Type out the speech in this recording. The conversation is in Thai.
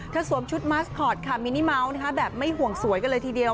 สวมชุดมาสคอร์ตค่ะมินิเมาส์แบบไม่ห่วงสวยกันเลยทีเดียว